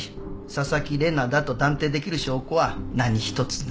紗崎玲奈だと断定できる証拠は何一つない。